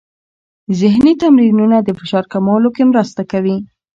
ذهني تمرینونه د فشار کمولو کې مرسته کوي.